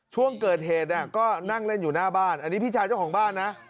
ช่วงเกิดเหตุก็นั่งเล่นอยู่หน้าบ้านอันนี้พี่ชายเจ้าของบ้านนะ